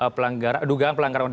pelanggaran dugaan pelanggaran